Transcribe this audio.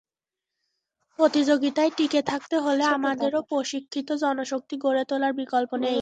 প্রতিযোগিতায় টিকে থাকতে হলে আমাদেরও প্রশিক্ষিত জনশক্তি গড়ে তোলার বিকল্প নেই।